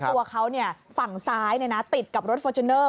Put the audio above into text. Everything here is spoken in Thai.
ตัวเขาฝั่งซ้ายติดกับรถฟอร์จูเนอร์